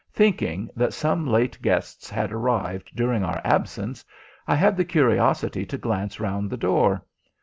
Thinking that some late guests had arrived during our absence, I had the curiosity to glance round the door.